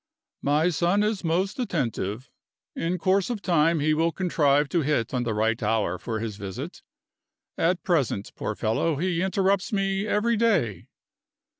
"My son is most attentive. In course of time he will contrive to hit on the right hour for his visit. At present, poor fellow, he interrupts me every day."